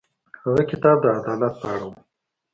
هغه کتاب د عدالت په اړه و.